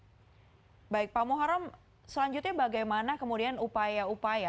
selanjutnya bagaimana kemudian upaya upaya atau alternatif yang akan dilakukan oleh soekarno hatta dan sulawesi